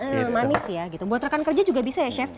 yang manis ya gitu buat rekan kerja juga bisa ya chef